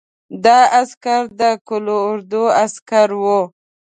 دا عسکر د قول اردو عسکر وو.